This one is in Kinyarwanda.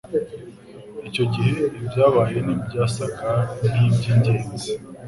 Icyo gihe, ibyabaye ntibyasaga nkibyingenzi.